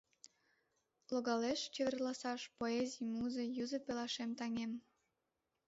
Логалеш чеверласаш, Поэзий, Муза — юзо пелашем, таҥем…